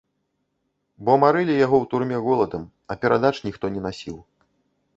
Бо марылі яго ў турме голадам, а перадач ніхто не насіў.